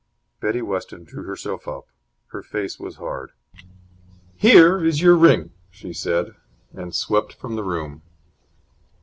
Betty Weston drew herself up. Her face was hard. "Here is your ring!" she said, and swept from the room.